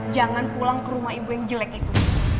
jangan pulang ke rumah ibu yang jelek itu